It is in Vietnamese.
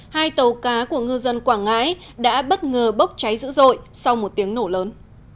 hai tàu cá của ngư dân quảng ngãi đã bất ngờ bốc cháy dữ dội sau một tiếng nổ lớn